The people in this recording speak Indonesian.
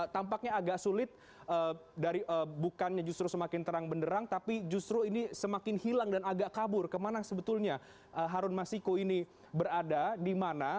tampaknya agak sulit bukannya justru semakin terang benderang tapi justru ini semakin hilang dan agak kabur kemana sebetulnya harun masiku ini berada di mana